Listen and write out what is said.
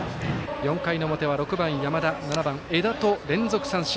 ４回の表は６番、山田７番、江田と連続三振。